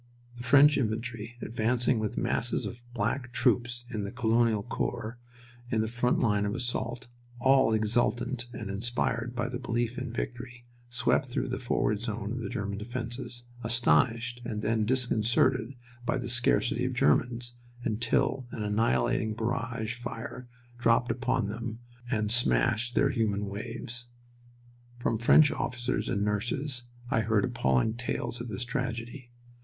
The French infantry, advancing with masses of black troops in the Colonial Corps in the front line of assault, all exultant and inspired by a belief in victory, swept through the forward zone of the German defenses, astonished, and then disconcerted by the scarcity of Germans, until an annihilating barrage fire dropped upon them and smashed their human waves. From French officers and nurses I heard appalling tales of this tragedy.